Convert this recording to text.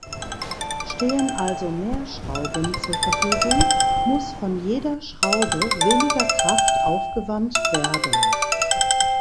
Stehen also mehr Schrauben zur Verfügung, muss von jeder Schraube weniger Kraft aufgewandt werden.